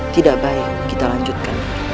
tidak baik kita lanjutkan